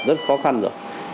rất khó khăn rồi